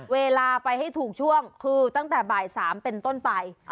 เวลาไปให้ถูกช่วงคือตั้งแต่บ่าย๓เป็นต้นไป